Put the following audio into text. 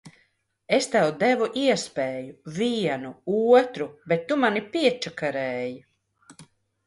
Es tev devu iespēju, vienu, otru, bet tu mani piečakarēji!